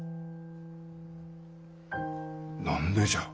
何でじゃ。